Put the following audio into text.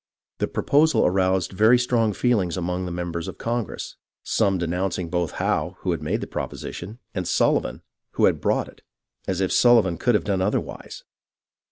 The proposal aroused very strong feelings among the members of Congress, some denouncing both Howe, who had made the proposition, and Sullivan, who had brought it. As if Sullivan could have done otherwise